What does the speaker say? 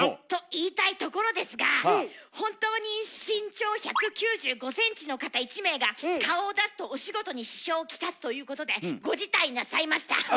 と言いたいところですが本当に身長１９５ｃｍの方１名が顔を出すとお仕事に支障を来すということでご辞退なさいました。